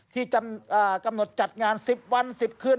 ที่กำหนดจัดงาน๑๐วัน๑๐คืน